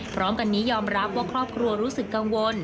พร้อมกันนี้ยอมรับว่าครอบครัวรู้สึกกังวล